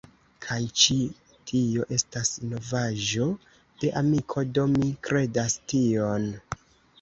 Kaj ĉi tio estas novaĵo de amiko, do mi kredas tion.